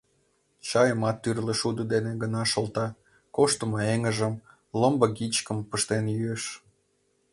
Чайымат тӱрлӧ шудо дене гына шолта, коштымо эҥыжым, ломбыгичкым пыштен йӱэш.